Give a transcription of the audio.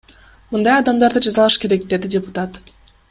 Мындай адамдарды жазалаш керек, — деди депутат.